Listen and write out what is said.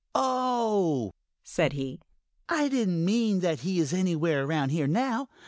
"Oh," said he, "I didn't mean that he is anywhere around here now.